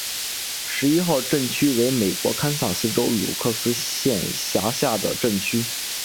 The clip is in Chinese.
十一号镇区为美国堪萨斯州鲁克斯县辖下的镇区。